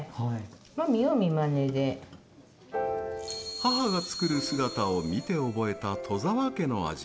母が作る姿を見て覚えた戸沢家の味。